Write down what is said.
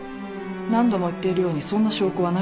何度も言っているようにそんな証拠はないんです。